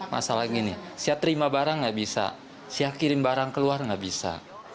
masalah gini saya terima barang nggak bisa saya kirim barang keluar nggak bisa